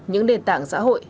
những nền tảng xã hội